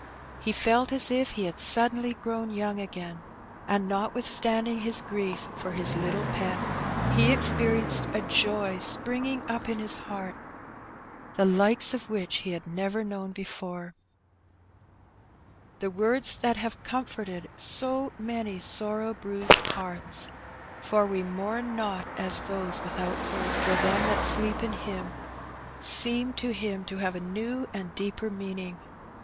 He felt as if he had suddenly grown young again, and, notwithstanding his grief for his little pet, he experienced a joy springing up in his heart the like of which he had never known before. An Experiment. 173 The words that have comforted so many sorrow bruised hearts — '^for we mourn not as those without hope, for them that sleep in Him ''— seemed to him to have a new and deeper meaning.